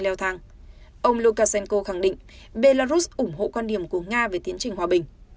ông lukashenko khẳng định belarus ủng hộ quan điểm của nga về tiến trình hòa bình